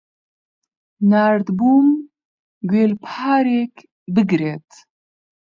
ناردبووم گوێلپارێک بگرێت.